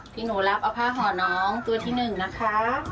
ที่หนูรับเอาผ้าห่อน้องตัวที่หนึ่งนะคะ